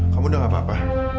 kamu udah gak apa apa